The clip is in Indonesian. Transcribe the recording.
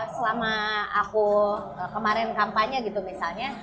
selama aku kemarin kampanye gitu misalnya